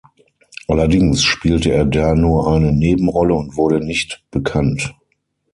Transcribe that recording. Allerdings spielte er da nur eine Nebenrolle und wurde nicht bekannt.